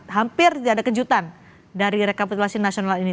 hampir tidak ada kejutan dari rekapitulasi nasional ini